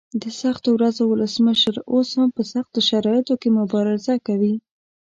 د سختو ورځو ولسمشر اوس هم په سختو شرایطو کې مبارزه کوي.